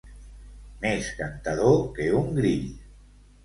Més cantador que un grill.